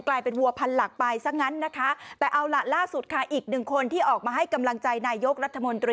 กลายเป็นวัวพันหลักไปสงัยนะคะ